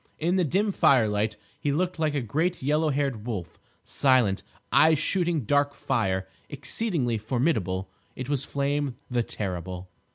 In the dim firelight he looked like a great yellow haired wolf, silent, eyes shooting dark fire, exceedingly formidable. It was Flame, the terrible.